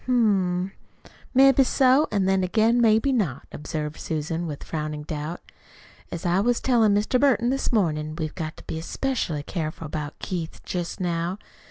"Hm m; maybe so, an' then again maybe not," observed Susan, with frowning doubt. "As I was tellin' Mr. Burton this mornin' we've got to be 'specially careful about Keith jest now.